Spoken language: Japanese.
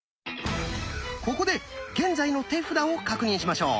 ここで現在の手札を確認しましょう。